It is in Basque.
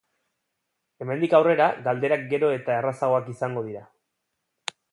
Hemendik aurrera galderak gero eta errazagoak izango dira.